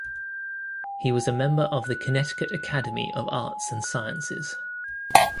He was a member of the Connecticut Academy of Arts and Sciences.